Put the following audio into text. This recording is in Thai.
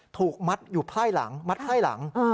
ถูกมัดอยู่พล่ายหลังมัดพล่ายหลัง